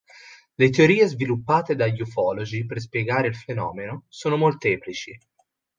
Le teorie sviluppate dagli ufologi per spiegare il fenomeno sono molteplici.